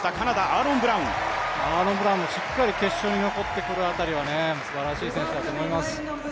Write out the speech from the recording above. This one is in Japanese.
アーロン・ブラウンもしっかり決勝に残ってくる辺りすばらしい選手だと思います。